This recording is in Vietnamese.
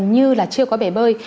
thì gần như là chưa có bể bơi